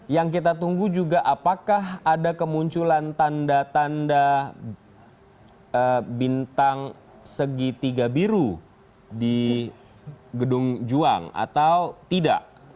yang kita tunggu juga apakah ada kemunculan tanda tanda bintang segitiga biru di gedung juang atau tidak